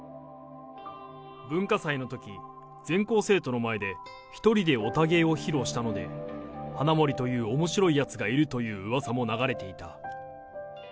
文化祭のとき、全校生徒の前で１人でヲタ芸を披露したので、花森というおもしろいやつがいるといううわさも流れていた。